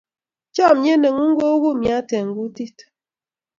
chamiet ne ng'un ko u kumiat eng' kutit